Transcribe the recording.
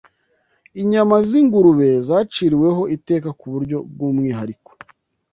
Inyama z’Ingurube Zaciriweho Iteka ku buryo bw’ Umwihariko